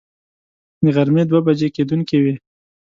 د غرمې دوه بجې کېدونکې وې.